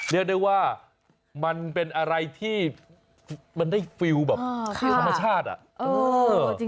เรียกได้ว่ามันเป็นอะไรที่มันได้ฟิลแบบธรรมชาติอะ